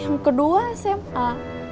yang kedua sma